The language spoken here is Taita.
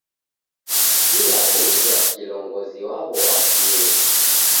Kila w'uja kilongozi waw'o wafue.